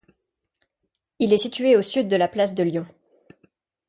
Il est situé au sud de la place de Lyon.